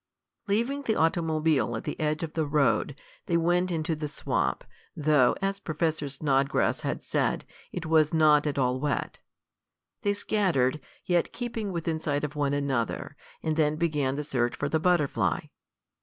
Leaving the automobile at the edge of the road, they went into the swamp, though, as Professor Snodgrass had said, it was not at all wet. They scattered, yet keeping within sight of one another, and then began the search for the butterfly.